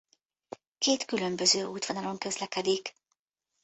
Két különböző útvonalon közlekedik.